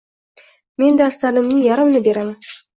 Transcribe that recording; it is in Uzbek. Men darslarimning yarmini beraman.